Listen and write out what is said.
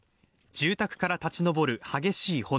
住宅から立ち上る激しい炎。